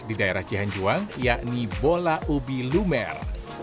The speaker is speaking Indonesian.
di daerah cihanjuang yakni bola ubi lumer